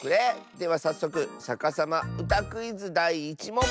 ではさっそく「さかさまうたクイズ」だい１もん。